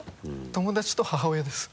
友達と母親です。